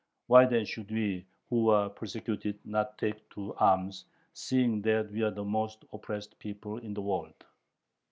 Why then should we who are persecuted not take to arms, seeing that we are the most oppressed people in the world!...